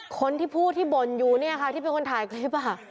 คนที่พูดที่บ่นอยู่เนี่ยค่ะที่เป็นคนถ่ายคลิป